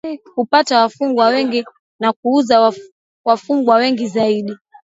kupata wafungwa wengi na kuuza wafungwa wengi zaidi